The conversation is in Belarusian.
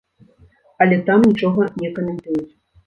Але там нічога не каментуюць.